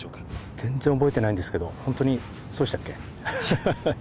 ◆全然覚えてないんですけど、本当にそうでしたっけ。